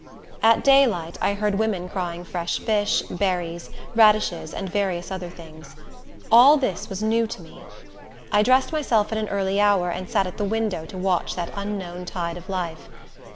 At daylight, I heard women crying fresh fish, berries, radishes, and various other things. All this was new to me. I dressed myself at an early hour, and sat at the window to watch that unknown tide of life.